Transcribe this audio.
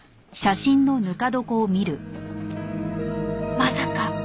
まさか！